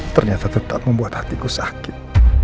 ternyata tetap membuat hatiku sakit